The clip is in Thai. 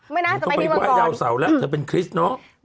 ไม่นะต้องไปไฟเว้นกว่าเดาเสาละเธอเป็นคริสต์เนาะ